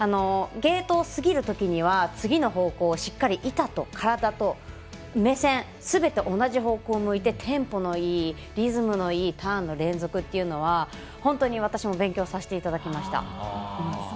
ゲートを過ぎるときには次の方向をしっかりと板と体と目線すべて同じ方向を向いてテンポのいいリズムのいいターンの連続というのは本当に私も勉強させていただきました。